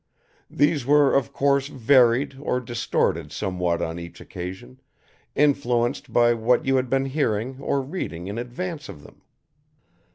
These were of course varied or distorted somewhat on each occasion, influenced by what you had been hearing or reading in advance of them.